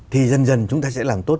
thì dần dần chúng ta sẽ làm tốt